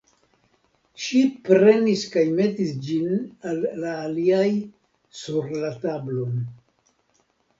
Ŝi prenis kaj metis ĝin al la aliaj sur la tablon.